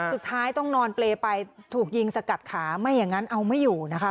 สุดท้ายต้องนอนเปรย์ไปถูกยิงสกัดขาไม่อย่างนั้นเอาไม่อยู่นะคะ